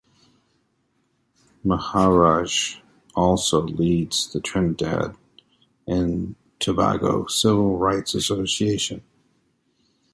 Maharaj also leads the Trinidad and Tobago Civil Rights Association.